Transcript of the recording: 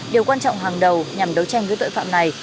điều quan trọng hàng đầu nhằm đấu tranh với tội phạm này